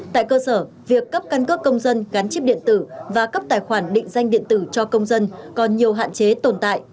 tại cơ sở việc cấp căn cước công dân gắn chip điện tử và cấp tài khoản định danh điện tử cho công dân còn nhiều hạn chế tồn tại